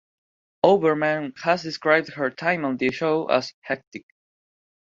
Oberman has described her time on the show as "hectic".